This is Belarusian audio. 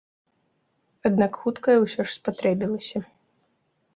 Аднак хуткая ўсё ж спатрэбілася.